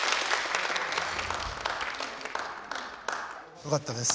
よかったです。